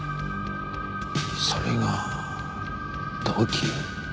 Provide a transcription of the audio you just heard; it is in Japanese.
それが動機？